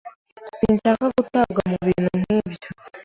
Sinshaka gutabwa mubintu nkibyo.